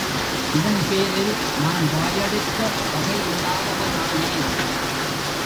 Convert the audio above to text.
இதன் பேரில் நான் வாயெடுக்க வகையில்லாதவனானேன்.